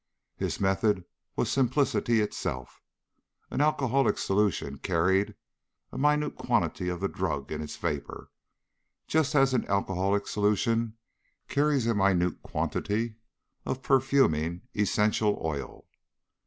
His method was simplicity itself. An alcoholic solution "carried" a minute quantity of the drug in its vapor, just as an alcoholic solution carries a minute quantity of perfuming essential oil.